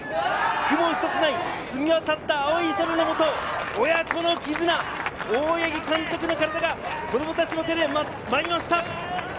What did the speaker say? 雲一つない澄み渡った青い空の下、親子の絆、大八木監督の体が子供たちの手で舞いました。